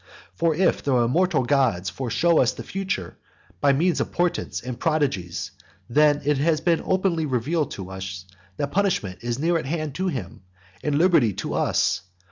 For if the immortal gods foreshow us the future, by means of portents and prodigies, then it has been openly revealed to us that punishment is near at hand to him, and liberty to us.